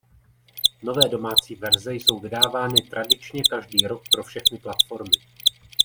Nové domácí verze jsou vydávány tradičně každý rok pro všechny platformy.